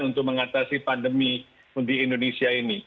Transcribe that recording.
untuk mengatasi pandemi di indonesia ini